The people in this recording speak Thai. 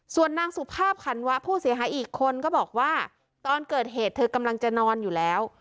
ส่วนนางสุภาพขันวะผู้เสียหายอีกคนก็บอกว่าตอนเกิดเหตุเธอกำลังจะนอนอยู่แล้ว